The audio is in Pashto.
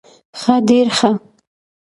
ښه ډير ښه